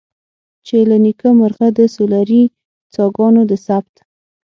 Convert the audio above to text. چې له نیکه مرغه د سولري څاګانو د ثبت.